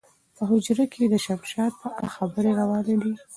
په حجره کې د شمشاد په اړه خبرې روانې وې.